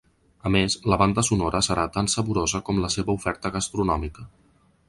A més, la banda sonora serà tan saborosa com la seva oferta gastronòmica.